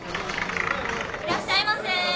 ・・いらっしゃいませ。